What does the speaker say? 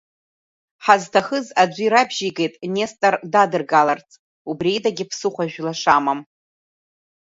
Ҳазҭахыз аӡәы ирабжьигеит Нестор дадыргаларц, убри идагьы ԥсыхәа жәла шамам.